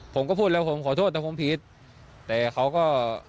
ผมก็พูดแล้วผมขอโทษนะผมผิดแต่เขาก็